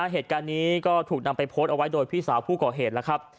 เหตุการณ์นี้ก็ถูกนำไปโพสต์เอาไว้โดยพี่สาวผู้ก่อเหตุแล้วครับ